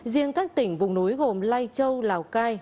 riêng các tỉnh vùng núi gồm lai châu lào cai